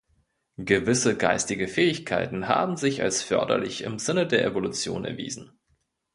Gewisse geistige Fähigkeiten haben sich als förderlich im Sinne der Evolution erwiesen.